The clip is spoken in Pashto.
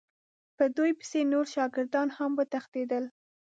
په دوی پسې نور شاګردان هم وتښتېدل.